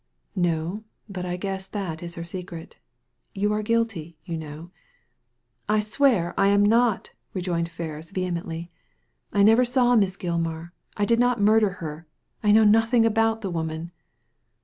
" No ; but I guess that is her secret You are guilty, you know." " I swear I am not !" rejoined Ferris, vehemently. " I never saw Miss Gilmar. I did not murder her. I know nothing about the woman."